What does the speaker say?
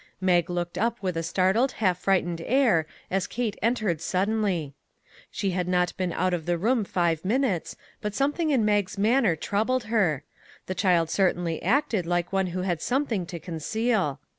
Mag looked up with a startled, half fright ened air as Kate entered suddenly. She had not been out of the room five minutes, but something in Mag's manner troubled her. The child certainly acted like one who had some thing to conceal.